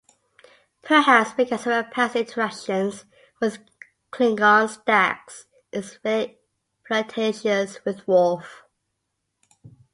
Perhaps because of her past interactions with Klingons, Dax is fairly flirtatious with Worf.